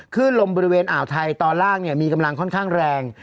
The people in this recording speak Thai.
ขึ้นลมบริเวณอ่าวไทยตอนล่างมีกำลังค่อนข้างแรง